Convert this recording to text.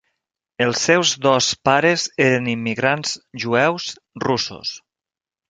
Els seus dos pares eren immigrants jueus russos.